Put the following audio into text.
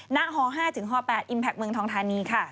ณห๕๘อิมแพคเมืองทองทานีค่ะ